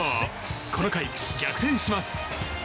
この回、逆転します。